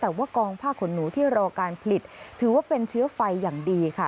แต่ว่ากองผ้าขนหนูที่รอการผลิตถือว่าเป็นเชื้อไฟอย่างดีค่ะ